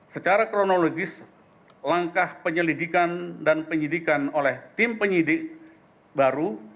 secara kronologis langkah penyelidikan dan penyidikan oleh tim penyidik baru